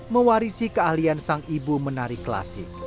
mewarisi keahlian sang ibu menari klasik